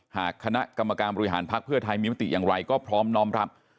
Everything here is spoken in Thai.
หากคณะกรรมการบริหารภักดิ์เพื่อไทยมีมติอย่างไรก็พร้อมน้อมรับ